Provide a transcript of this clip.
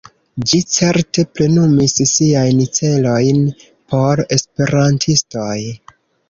Ĝi certe plenumis siajn celojn por esperantistoj.